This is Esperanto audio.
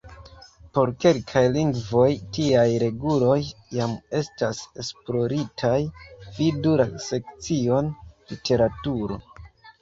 Por kelkaj lingvoj tiaj reguloj jam estas esploritaj, vidu la sekcion "literaturo".